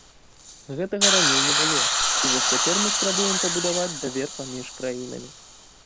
Гэтага раней не было, і вось цяпер мы спрабуем пабудаваць давер паміж краінамі.